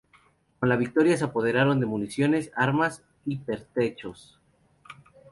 Con la victoria se apoderaron de municiones, armas y pertrechos.